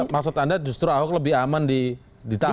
maksud anda justru ahok lebih aman ditahan